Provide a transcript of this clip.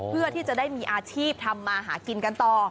เพื่อที่จะได้มีอาชีพทำมาหากินกันต่อ